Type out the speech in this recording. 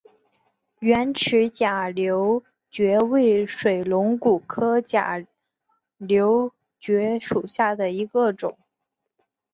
圆齿假瘤蕨为水龙骨科假瘤蕨属下的一个种。